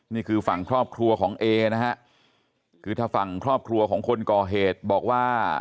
นี่คือฝั่งครอบครัวของเอนะฮะคือถ้าฝั่งครอบครัวของคนก่อเหตุบอกว่า